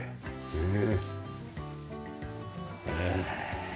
ねえ。